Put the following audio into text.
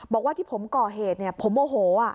บอกว่าที่ผมก่อเหตุผมโมโห